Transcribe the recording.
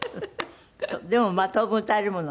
でもまあ当分歌えるものね。